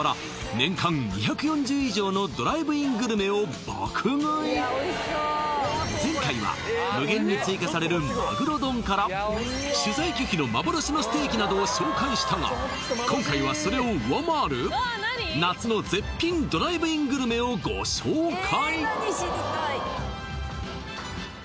年間２４０以上のドライブイングルメを爆食い前回は無限に追加されるマグロ丼から取材拒否の幻のステーキなどを紹介したが今回はそれを上回る夏の絶品ドライブイングルメをご紹介